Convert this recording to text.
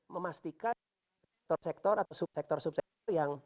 memastikan sektor sektor atau sub sektor sub sektor yang